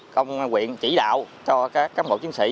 công nguyện chỉ đạo cho các bộ chiến sĩ